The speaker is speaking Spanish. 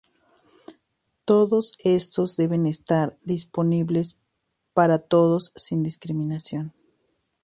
Todos estos deben estar disponibles para todos sin discriminación.